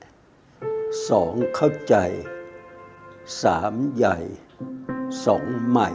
สองเข้าใจสามใหญ่สองใหม่